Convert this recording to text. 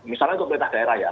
misalnya pemerintah daerah ya